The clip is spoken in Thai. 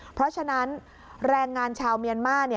เพราะฉะนั้นแรงงานชาวเมียนมาร์